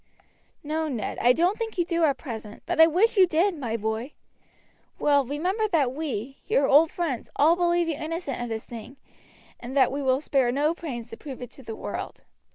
"No, Ned, I don't think you do at present; but I wish you did, my boy. Well, remember that we, your old friends, all believe you innocent of this thing, and that we will spare no pains to prove it to the world.